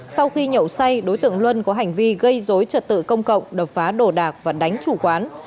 sau khi nhậu say đối tượng luân có hành vi gây dối trật tự công cộng đập phá đồ đạc và đánh chủ quán